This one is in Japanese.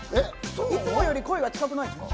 いつもより声が近くないですか？